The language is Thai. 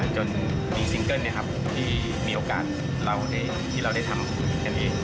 จนมีซิงเกิ้ลที่มีโอกาสเล่าที่เราได้ทำกันเอง